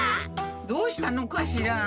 どうしたのかしら？